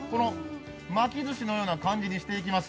巻きずしのような感じにしていきます。